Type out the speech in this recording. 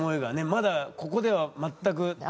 まだここでは全く。